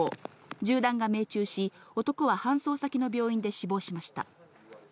銃弾が命中し、男は搬送先の病院で死亡しました。